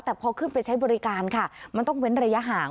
แต่พอขึ้นไปใช้บริการค่ะมันต้องเว้นระยะห่าง